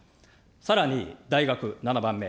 さらに大学、７番目。